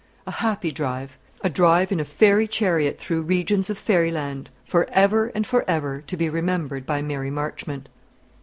A happy drive; a drive in a fairy chariot through regions of fairyland, for ever and for ever to be remembered by Mary Marchmont.